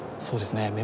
そうですね